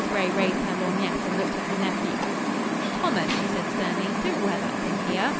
Gray raised her lorgnette and looked at her nephew. "Thomas," she said sternly, "don't wear that thing here.